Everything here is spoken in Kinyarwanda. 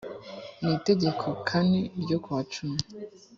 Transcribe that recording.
n itegeko n kane ryo kuwa cumi